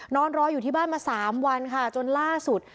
นอนรออยู่ที่บ้านมา๓วันค่ะจนล่าสุด